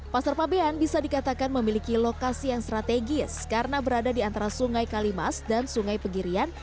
pasar fabian bisa dikatakan memiliki lokasi yang strategis karena berada di antara sungai kalimas dan sungai pegirian